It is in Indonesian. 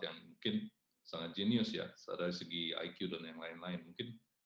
yang mungkin sangat genius ya dari segi iq dan yang lain lain mungkin